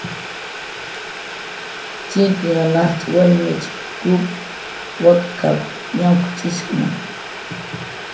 "Chinknhan ajtz' wallmichp"" kup wak'k""ap"" ñamk""cx'ishkna"